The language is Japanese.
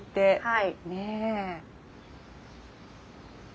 はい。